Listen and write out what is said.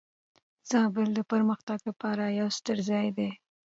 زابل د پرمختګ لپاره یو ستر ځای دی.